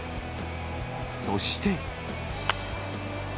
そして。